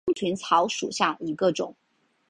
高山通泉草为玄参科通泉草属下的一个种。